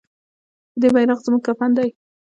د دې بیرغ زموږ کفن دی